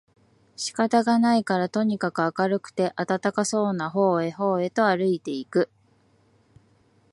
仕方がないからとにかく明るくて暖かそうな方へ方へとあるいて行く